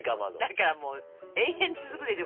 だからもう永遠続くでしょ。